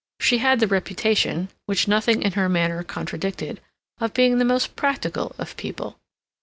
She had the reputation, which nothing in her manner contradicted, of being the most practical of people.